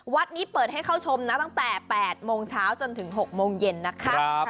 วัดนี้เปิดให้เข้าชมนะตั้งแต่๘โมงเช้าจนถึง๖โมงเย็นนะคะ